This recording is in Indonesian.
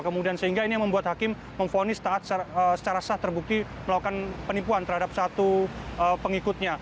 kemudian sehingga ini yang membuat hakim memfonis taat secara sah terbukti melakukan penipuan terhadap satu pengikutnya